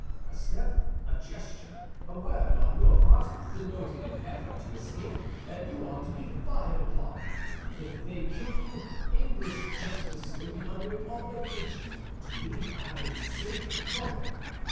A step, a gesture, a word, on your part, denoting an effort to escape, and you are to be fired upon. If they kill you, English justice will be under an obligation to me for having saved it trouble.